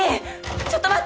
ちょっと待って！